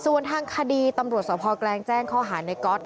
ส่วนทางคดีตำรวจสภแกลงแจ้งข้อหาในก๊อต